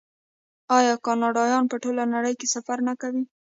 آیا کاناډایان په ټوله نړۍ کې سفر نه کوي؟